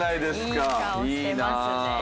いい顔してますね。